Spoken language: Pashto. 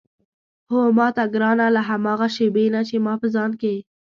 هو ماته ګرانه له هماغه شېبې نه چې ما په ځان کې.